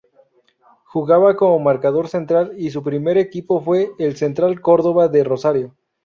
Jugaba como marcador central y su primer equipo fue Central Córdoba de Rosario.